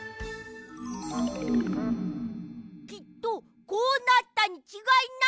きっとこうなったにちがいない！